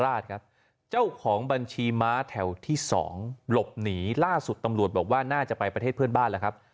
เจ้าของบัญชีม้าแถวที่๒หลบหนีล่าสุดตำรวจบอกว่าน่าจะไปประเทศเพื่อนบ้านแล้วครับ